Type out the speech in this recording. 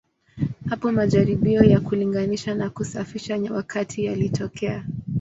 Hapo majaribio ya kulinganisha na kusafisha wakati yalitokea.